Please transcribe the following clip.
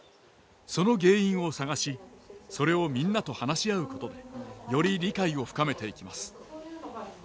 その原因を探しそれをみんなと話し合うことでより理解を深めていきます。